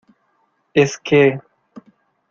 es que...